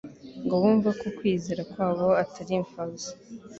ngo bumve ko kwizera kwabo atari imfabusa.